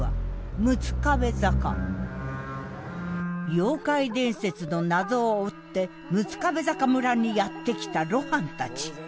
妖怪伝説の謎を追って六壁坂村にやって来た露伴たち。